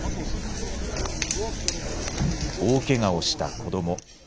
大けがをした子ども。